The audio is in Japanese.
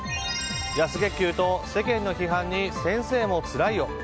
安月給と世間の批判に先生もつらいよ。